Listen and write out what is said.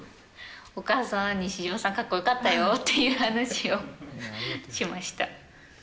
お母さんに西島さん、かっこよかったよっていう話をしました。